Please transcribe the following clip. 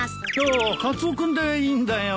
ああカツオ君でいいんだよ。